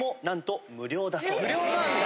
無料なんだ。